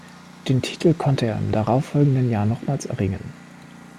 Den Titel konnte er im darauffolgenden Jahr nochmals erringen.